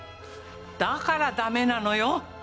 だから駄目なのよ！